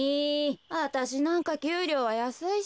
あたしなんかきゅうりょうはやすいし。